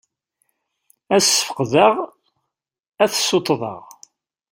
Ad as-sfeqdeɣ, ad t-ssuṭḍeɣ.